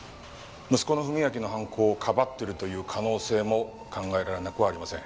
息子の史明の犯行をかばってるという可能性も考えられなくはありません。